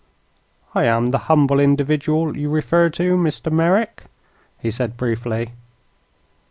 "I am the humble individual you refer to, Mr. Merrick," he said, briefly.